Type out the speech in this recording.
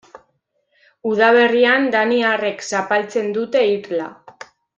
Udaberrian daniarrek zapaltzen dute irla.